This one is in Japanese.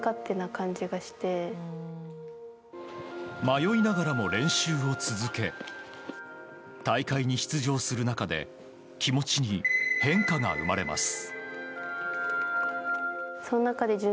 迷いながらも練習を続け大会に出場する中で気持ちに変化が生まれます。